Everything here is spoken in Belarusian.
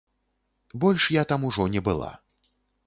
Больш я там ужо не была.